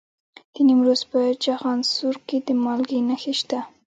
د نیمروز په چخانسور کې د مالګې نښې شته.